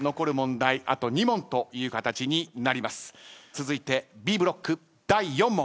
続いてＢブロック第４問。